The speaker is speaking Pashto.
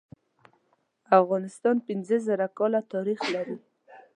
افغانستان پینځه زره کاله تاریخ لري.